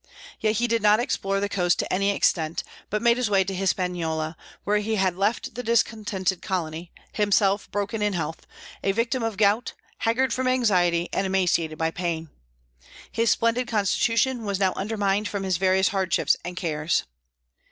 Yet he did not explore the coast to any extent, but made his way to Hispaniola, where he had left the discontented colony, himself broken in health, a victim of gout, haggard from anxiety, and emaciated by pain. His splendid constitution was now undermined from his various hardships and cares.